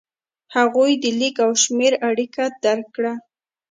هغوی د لیک او شمېر اړیکه درک کړه.